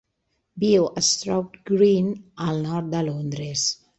Viu a Stroud Green, al nord de Londres.